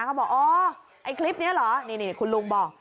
เขาบอกอ๋อไอ้คลิปนี้เหรอนี่คุณลุงบอก